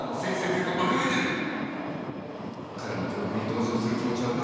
彼の境遇に同情する気持ちはわかる。